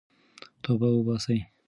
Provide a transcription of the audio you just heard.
توبه وباسئ.